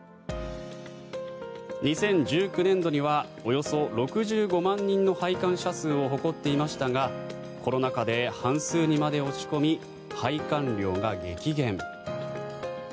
２０１９年度にはおよそ６５万人の拝観者数を誇っていましたがコロナ禍で半数にまで落ち込み拝観料が激減。